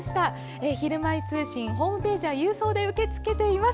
「ひるまえ通信」はホームページや郵送で受け付けています。